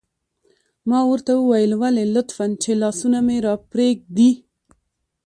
ما ورته وویل: ولې؟ لطفاً، چې لاسونه مې را پرېږدي.